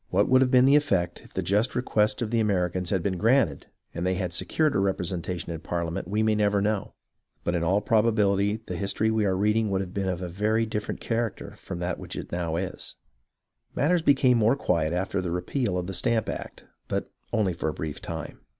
What would have been the effect if the just request of the Americans had been granted and they had secured a representation in Parlia ment we may never know, but in all probability the his tory we are reading would have been of a very different character from that which it now is. 14 HISTORY OF THE AMERICAN REVOLUTION Matters became more quiet after the repeal of the Stamp Act, but only for a brief time.